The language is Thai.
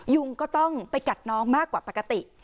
ยุงก็ต้องไปกัดน้องมากกว่าปกติ